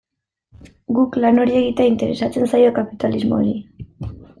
Guk lan hori egitea interesatzen zaio kapitalismoari.